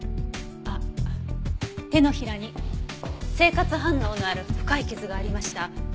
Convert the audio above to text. あっ手のひらに生活反応のある深い傷がありました。